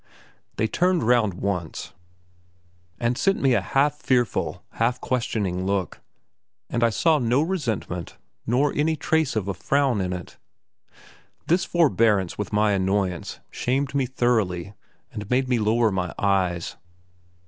They turned round once, and sent me a half fearful, half questioning look, and I saw no resentment nor any trace of a frown in it. This forbearance with my annoyance shamed me thoroughly and made me lower my eyes.